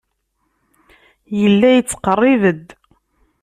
Yella yettqerrib-d.